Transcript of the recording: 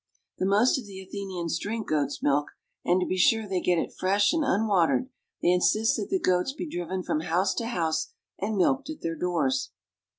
The most of the Athenians drink goat's milk, and to be sure they get it fresh and unwatered, they insist that the goats be driven from house to house and milked at their doors.